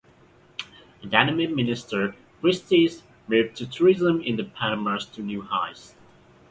A dynamic Minister, Christie moved tourism in The Bahamas to new heights.